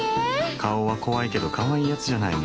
顔は怖いけどカワイイやつじゃないの。